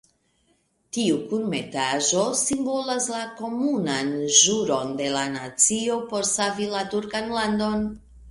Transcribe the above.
Tiu kunmetaĵo simbolas la komunan ĵuron de la nacio por savi la turkan landon.